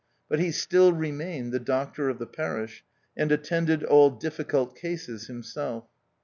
But he still remained the doctor of the parish, and attended all difficult cases himself.